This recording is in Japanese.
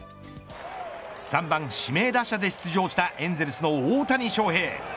３番指名打者で出場したエンゼルスの大谷翔平。